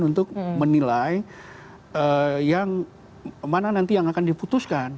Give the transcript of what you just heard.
untuk menilai yang mana nanti yang akan diputuskan